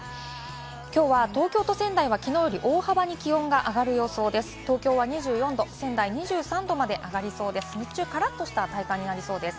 きょうは東京と仙台はきのうより大幅に気温が上がりそうです。